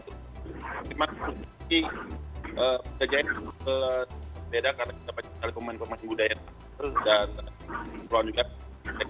tapi maksudnya kita jadi beda karena kita pakai sekali pemain pemain budaya dan peluang juga dekat dekat